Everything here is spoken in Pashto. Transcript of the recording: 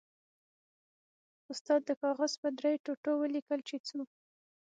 استاد د کاغذ په درې ټوټو ولیکل چې ځو.